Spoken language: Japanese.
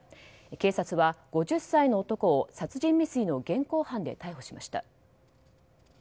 警察は５０歳の男を殺人未遂の現行犯で逮捕しました。